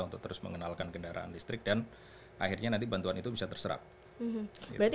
untuk terus mengenalkan kendaraan listrik dan akhirnya nanti bantuan itu bisa terserap